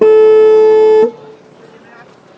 สวัสดีครับ